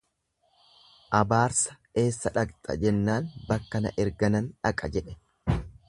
Abaarsa eessa dhaqxa jennaan bakka na erganan dhaqa jedhe.